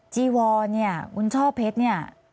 จีวอนเนี่ยคุณช่อเพชรเนี่ย